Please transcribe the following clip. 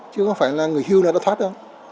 chứ không phải là người hưu là nó thoát đâu